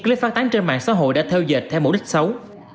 clip phát tán trên mạng xã hội đã theo dệt theo mục đích xấu